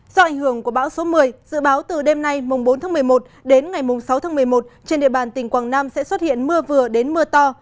do ảnh hưởng của bão số một mươi dự báo từ đêm nay bốn tháng một mươi một đến ngày mùng sáu tháng một mươi một trên địa bàn tỉnh quảng nam sẽ xuất hiện mưa vừa đến mưa to